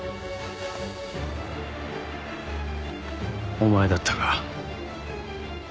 お前だったか。